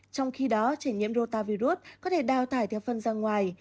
trong khi đó trẻ nhiễm rô ta virus có thể đào thải theo phân ra ngoài